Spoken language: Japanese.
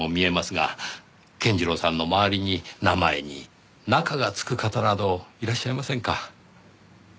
健次郎さんの周りに名前に「中」がつく方などいらっしゃいませんか？